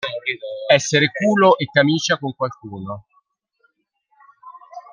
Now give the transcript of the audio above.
Essere culo e camicia con qualcuno.